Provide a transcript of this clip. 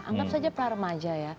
anggap saja pra remaja ya